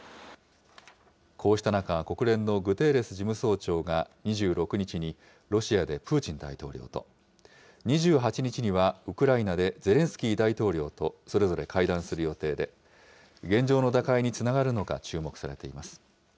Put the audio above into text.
こうした中、国連のグテーレス事務総長が２６日にロシアでプーチン大統領と、２８日にはウクライナでゼレンスキー大統領とそれぞれ会談する予定で、現状の打開につながるのか、注目されています。